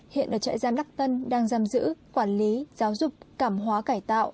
hiện ở trại giam đắc tân đang giam giữ quản lý giáo dục cảm hóa cải tạo